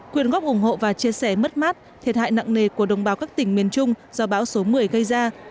quyền góp ủng hộ và chia sẻ mất mát thiệt hại nặng nề của đồng bào các tỉnh miền trung do bão số một mươi gây ra